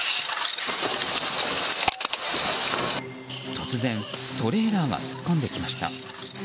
突然、トレーラーが突っ込んできました。